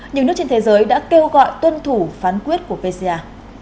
nhiều nước trên thế giới đã kêu gọi tuân thủ phán quyết của vci